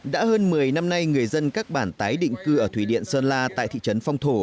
đã hơn một mươi năm nay người dân các bản tái định cư ở thủy điện sơn la tại thị trấn phong thổ